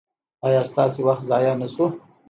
ایا ستاسو وخت ضایع نه شو؟